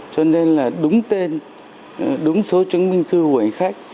cho nên là đúng tên đúng số chứng minh thư của khách